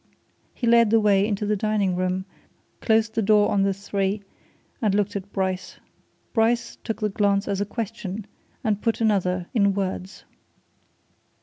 He led the way into the dining room, closed the door on the three, and looked at Bryce. Bryce took the glance as a question, and put another, in words.